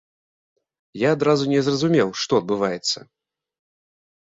Я адразу не зразумеў, што адбываецца.